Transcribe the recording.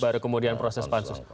baru kemudian proses pansus